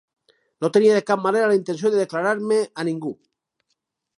No tenia de cap manera la intenció de declarar-me a ningú.